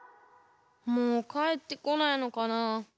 もうかえってこないのかなあ。